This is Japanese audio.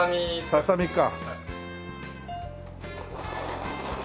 ささみか。